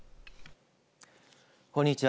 こんにちは。